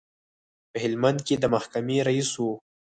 په هلمند کې د محکمې رئیس و.